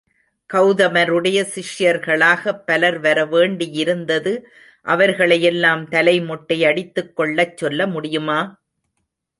கௌதமருடைய சிஷ்யர்களாகப் பலர் வரவேண்டியிருந்தது அவர்களையெல்லாம் தலை மொட்டையடித்துக்கொள்ளச் சொல்ல முடியுமா?